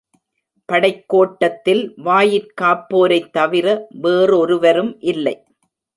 படைக் கோட்டத்தில் வாயிற்காப்போரைத் தவிர வேறொருவரும் இல்லை.